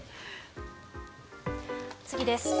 次です。